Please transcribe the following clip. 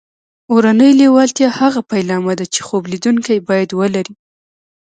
اورنۍ لېوالتیا هغه پیلامه ده چې خوب لیدونکي یې باید ولري